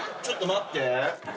ちょっと待って。